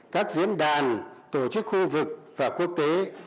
các diễn đàn tổ chức khu vực và quốc tế